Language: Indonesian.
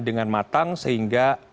dengan matang sehingga